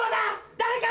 誰か！